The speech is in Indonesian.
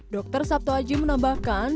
dokter sabto aji menambahkan